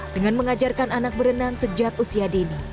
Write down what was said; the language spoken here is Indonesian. dengan mengajarkan anak berenang sejak usia dini